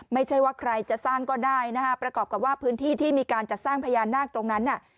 ไม่ใช่ว่าใครจะสร้างก็ได้นะฮะประกอบกับว่าพื้นที่ที่มีการจัดสร้างพญานาคตรงนั้นน่ะ